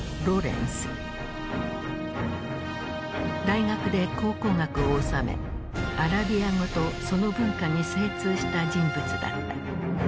大学で考古学を修めアラビア語とその文化に精通した人物だった。